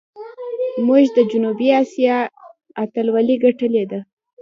موږ د جنوبي آسیا اتلولي ګټلې ده.